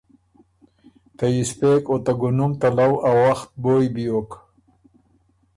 ته یِسپېک او ته ګُونُم ته لؤ ا وخت بویٛ بیوک۔